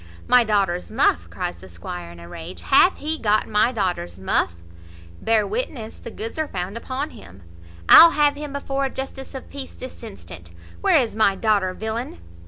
"My daughter's muff!" cries the squire in a rage. "Hath he got my daughter's muff? bear witness the goods are found upon him. I'll have him before a justice of peace this instant. Where is my daughter, villain?"